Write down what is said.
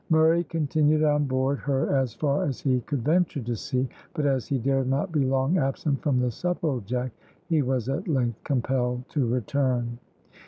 Murray continued on board her as far as he could venture to sea, but as he dared not be long absent from the Supplejack, he was at length compelled to return.